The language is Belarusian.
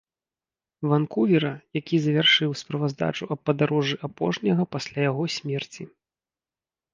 Ванкувера, які завяршыў справаздачу аб падарожжы апошняга пасля яго смерці.